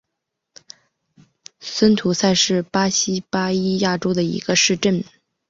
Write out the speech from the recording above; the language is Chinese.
森图塞是巴西巴伊亚州的一个市镇。